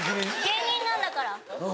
芸人なんだから。